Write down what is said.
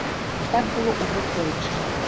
І так было ўжо тройчы.